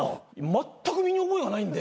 まったく身に覚えがないんで。